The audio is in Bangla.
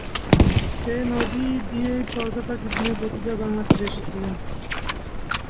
এ নদী দিয়েই পর্যটক ইবনে বতুতা বাংলাদেশে এসেছিলেন।